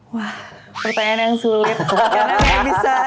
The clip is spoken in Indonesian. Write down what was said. wah pertanyaan yang sulit